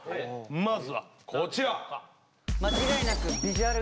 まずはこちら。